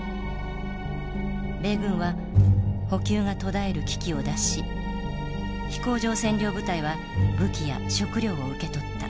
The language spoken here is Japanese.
米軍は補給が途絶える危機を脱し飛行場占領部隊は武器や食料を受け取った。